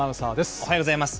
おはようございます。